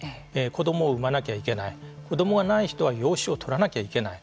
子どもを産まなきゃいけない子どもがない人は養子をとらなきゃいけない。